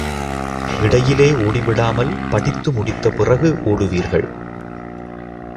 இடையிலே ஓடி விடாமல், படித்து முடித்த பிறகு ஓடுவீர்கள்.